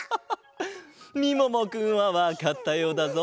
みももくんはわかったようだぞ。